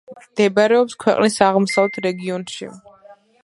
მდებარეობს ქვეყნის აღმოსავლეთ რეგიონში.